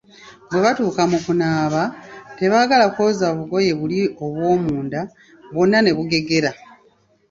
Bwe batuuka mu kunaaba, tebaagala kwoza bugoye buli obw'omunda, bwonna ne bugegera,